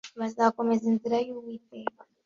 Bazakomeza inzira y’Uwiteka